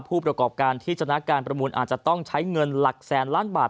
ผู้ประกอบการที่ชนะการประมูลอาจจะต้องใช้เงินหลักแสนล้านบาท